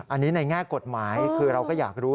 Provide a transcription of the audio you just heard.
อันนี้ในแง่กฎหมายคือเราก็อยากรู้